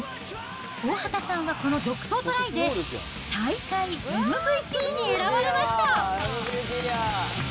大畑さんはこの独走トライで大会ＭＶＰに選ばれました。